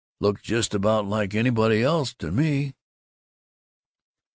Look just about like anybody else to me!"